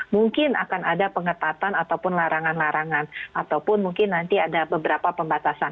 mungkin akan ada pengetatan ataupun larangan larangan ataupun mungkin nanti ada beberapa pembatasan